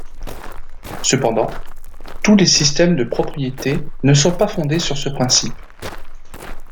Cependant, tous les systèmes de propriété ne sont pas fondés sur ce principe.